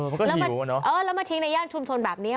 มันก็หิวเนอะแล้วมันทิ้งในย่างชุมชนแบบนี้